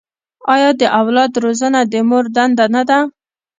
آیا د اولاد روزنه د مور دنده نه ده؟